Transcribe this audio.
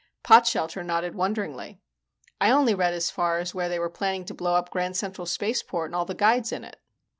Potshelter nodded wonderingly. "I only read as far as where they were planning to blow up Grand Central Spaceport and all the guides in it."